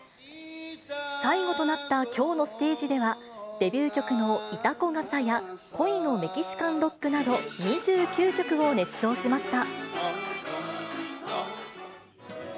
最後となったきょうのステージでは、デビュー曲の潮来笠や恋のメキシカン・ロックなど、２９曲を熱唱しました。